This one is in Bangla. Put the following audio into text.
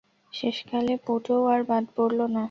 শেষকালে পুটোও আর বাদ পড়ল না।